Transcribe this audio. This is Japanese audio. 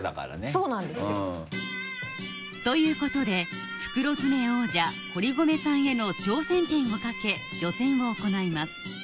そうなんですよ。ということで袋詰め王者堀籠さんへの挑戦権をかけ予選を行います